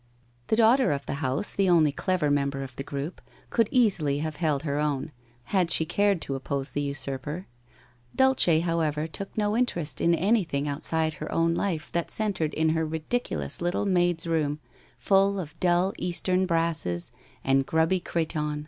The daughter of the house, the only clever member of the group, could easily have held her own, had she cared to oppose the usurper. Dulce, however, took no interest in anything outside her own life that centred in her ridic ulous little maid's room, full of dull Eastern brasses and grubby cretonne.